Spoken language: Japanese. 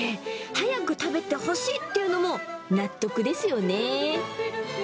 早く食べてほしいっていうのも納得ですよねー。